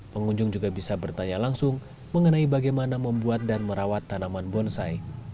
pengunjung juga bisa bertanya langsung mengenai bagaimana membuat dan merawat tanaman bonsai